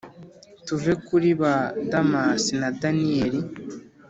tuve kuri ba damas na daniel